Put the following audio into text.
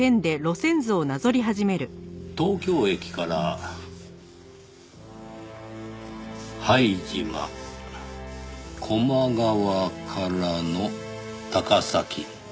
東京駅から拝島高麗川からの高崎。